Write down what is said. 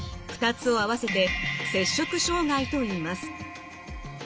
２つを合わせて摂食障害といいます。